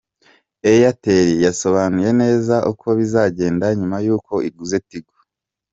Airtel yasobanuye neza uko bizagenda nyuma y’uko iguze Tigo.